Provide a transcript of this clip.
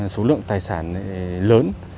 số lượng tài sản lớn